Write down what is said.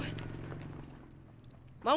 hah mati gue